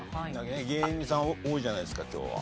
芸人さん多いじゃないですか今日は。